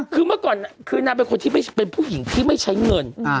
คือเมื่อก่อนนางเป็นผู้หญิงที่ไม่ใช้เงิน